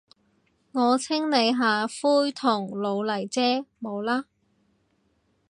我清理下灰同老泥啫，冇喇。